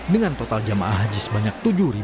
dengan total jamaah haji sebanyak tujuh dua ratus tujuh